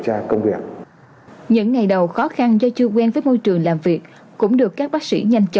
cho công việc những ngày đầu khó khăn do chưa quen với môi trường làm việc cũng được các bác sĩ nhanh chóng